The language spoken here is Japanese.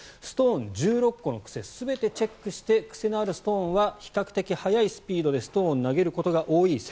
スト−ン１６個の癖を全てチェックして癖のあるストーンは比較的速いスピードでストーンを投げることが多い